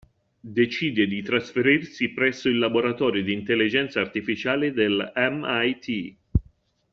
Decide di trasferirsi presso il laboratorio di Intelligenza Artificiale del M.I.T.